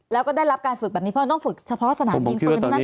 แล้วก็ได้รับการฝึกแบบนี้เพราะมันต้องฝึกเฉพาะสถานปีนปืนนั้นถูกไหม